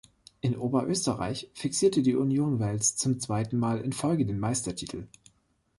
In Oberösterreich fixierte die Union Wels zum zweiten Mal in Folge den Meistertitel.